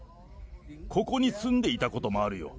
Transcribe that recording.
ここに住んでいたこともあるよ。